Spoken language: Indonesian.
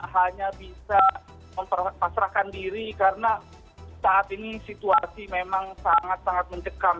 hanya bisa memperpasrahkan diri karena saat ini situasi memang sangat sangat mencekam